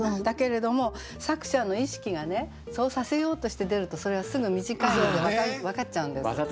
だけれども作者の意識がねそうさせようとして出るとそれはすぐ短いので分かっちゃうんです。